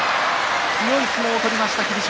強い相撲を取りました、霧島。